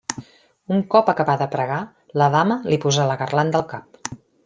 Un cop acabà de pregar, la dama li posà la garlanda al cap.